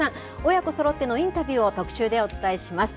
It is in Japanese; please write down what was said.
親子そろってのインタビューを特集でお伝えします。